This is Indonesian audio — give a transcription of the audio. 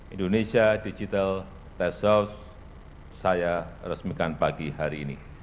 indonesia digital tax house saya resmikan pagi hari ini